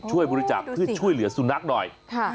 ช่วยบริจาคเพื่อช่วยเหลือสุนัขหน่อย